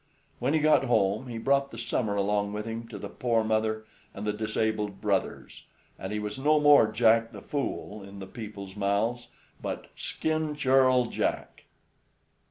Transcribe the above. When he got home, he brought the summer along with him to the poor mother and the disabled brothers; and he was no more Jack the Fool in the people's mouths, but "Skin Churl Jack."